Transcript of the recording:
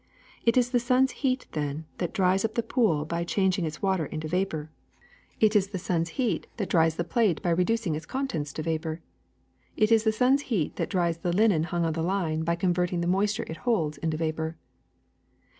It is the sun's heat, then, that dries up the pool by changing its water into vapor; it is the sun's heat EVAPORATION 333 that dries the plate by reducing its contents to vapor ; it is the sun^s heat that dries the linen hung on the line by converting the moisture it holds into vapor.